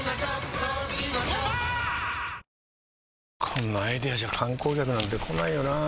こんなアイデアじゃ観光客なんて来ないよなあ